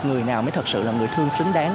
người nào mới thật sự là người thương xứng đáng